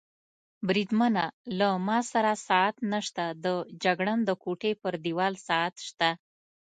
بریدمنه، له ما سره ساعت نشته، د جګړن د کوټې پر دېوال ساعت شته.